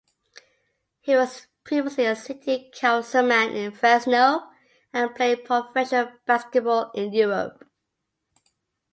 He was previously a city councilman in Fresno and played professional basketball in Europe.